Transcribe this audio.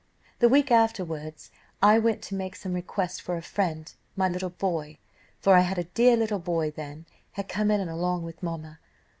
"The week afterwards I went to make some request for a friend: my little boy for I had a dear little boy then had come in along with mamma.